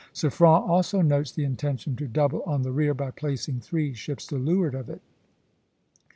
Suffren also notes the intention to double on the rear by placing three ships to leeward of it.